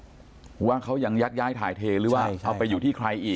เพราะว่าเขายังยักย้ายถ่ายเทหรือว่าเอาไปอยู่ที่ใครอีก